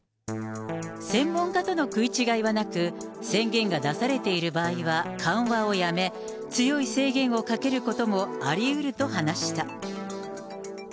専門家との食い違いはなく、宣言が出されている場合は緩和をやめ、強い制限をかけることもありうると話した。